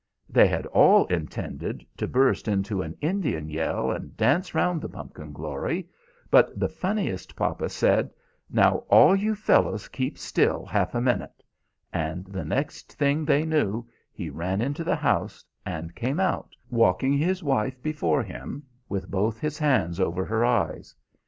"They had all intended to burst into an Indian yell, and dance round the pumpkin glory; but the funniest papa said, 'Now all you fellows keep still half a minute,' and the next thing they knew he ran into the house, and came out, walking his wife before him with both his hands over her eyes.